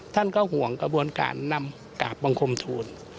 ท่านก็ห่วงกระบวนการนำกราบบังคมทูล